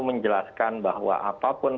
menjelaskan bahwa apapun